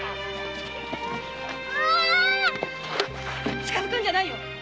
近づくんじゃないよ！